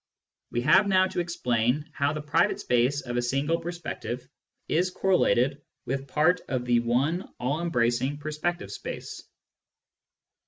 We have now to explain how the private space of a single perspective is correlated with part of the one all embracing perspective space.